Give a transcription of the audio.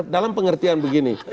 dalam pengertian begini